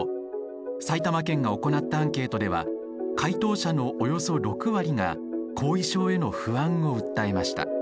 埼玉県が行ったアンケートでは回答者のおよそ６割が後遺症への不安を訴えました。